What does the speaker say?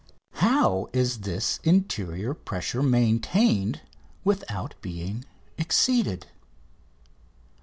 7"] How is this interior pressure maintained without being exceeded?